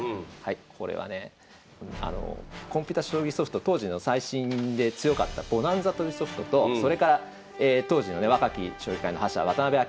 これはねコンピュータ将棋ソフト当時の最新で強かったボナンザというソフトとそれから当時のね若き将棋界の覇者渡辺明